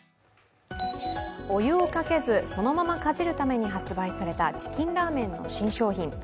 お湯をかけず、そのままかじるために発売されたチキンラーメンの新商品。